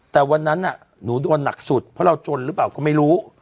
แต่วันนั้นหนูโดนหนักสุดเพราะเราจนหรือเปล่าก็ไม่รู้